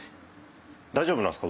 大丈夫なんですか？